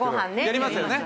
やりますよね